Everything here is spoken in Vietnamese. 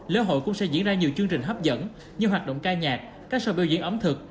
lễ hội cũng sẽ diễn ra nhiều chương trình hấp dẫn như hoạt động ca nhạc các sở biểu diễn ẩm thực